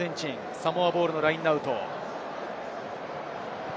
サモアボールのラインアウト。